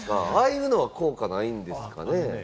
ああいうのは効果ないんですかね？